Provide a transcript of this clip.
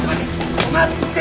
止まって！